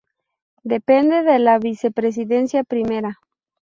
Depende de la vicepresidencia primera.